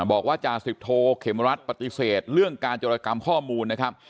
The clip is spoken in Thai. จาสิบโทเขมรัฐปฏิเสธเรื่องการจรกรรมข้อมูลนะครับ